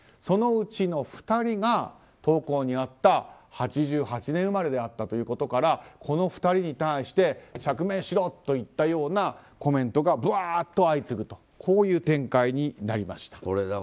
そのうちの２人が投降にあった８８年生まれであったことからこの２人に対して釈明しろといったようなコメントが相次ぐとこういう展開になりました。